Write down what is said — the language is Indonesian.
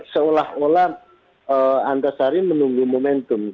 seolah olah antasari menunggu momentum